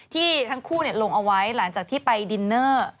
ที่ทั้งคู่ลงเอาไว้หลังจากที่ไปดินเนอร์